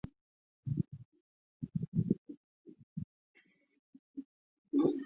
在明太祖洪武年间出仕。